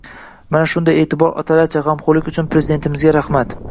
Mana shunday eʼtibor, otalarcha gʻamxoʻrlik uchun Prezidentimizga rahmat.